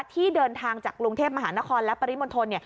ที่เดินทางจากกรุงเทพมหานครและปริมณฑล